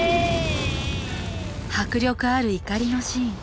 迫力ある怒りのシーン。